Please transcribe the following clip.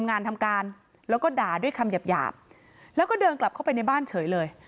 งานทำการแล้วก็ด่าด้วยคำหยาบหยาบแล้วก็เดินกลับเข้าไปในบ้านเฉยเลย